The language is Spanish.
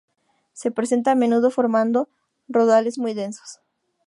Se presenta a menudo formando rodales muy densos.